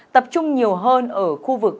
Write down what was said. tập trung nhiều hơn ở khu vực